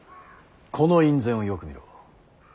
この院宣をよく見ろ。